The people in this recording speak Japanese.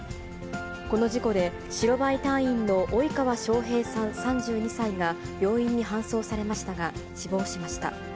この事故で、白バイ隊員の及川翔平さん３２歳が、病院に搬送されましたが、死亡しました。